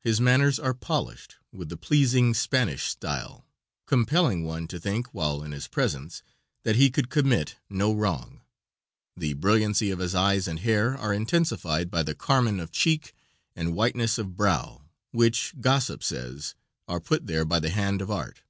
His manners are polished, with the pleasing Spanish style, compelling one to think while in his presence that he could commit no wrong; the brilliancy of his eyes and hair is intensified by the carmine of cheek and whiteness of brow, which, gossip says, are put there by the hand of art.